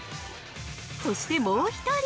◆そして、もう１人。